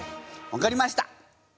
分かりました。